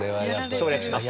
省略します。